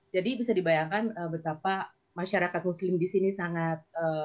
jadi bisa dibayangkan betapa masyarakat muslim di sini sangat